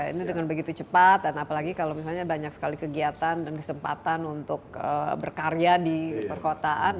ini dengan begitu cepat dan apalagi kalau misalnya banyak sekali kegiatan dan kesempatan untuk berkarya di perkotaan